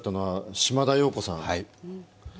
島田陽子さん